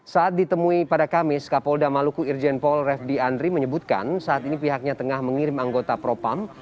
saat ditemui pada kamis kapolda maluku irjen paul refdi andri menyebutkan saat ini pihaknya tengah mengirim anggota propam